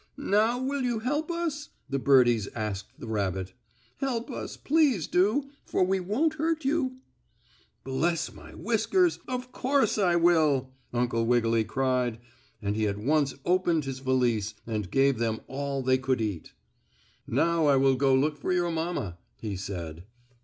"Now, will you help us?" the birdies asked the rabbit. "Help us, please do; for we won't hurt you!" "Bless my whiskers! Of course I will!" Uncle Wiggily cried, and he at once opened his valise and gave them all they could eat. "Now I will go look for your mamma," he said.